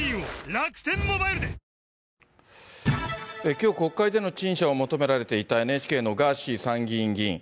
きょう、国会での陳謝を求められていた、ＮＨＫのガーシー参議院議員。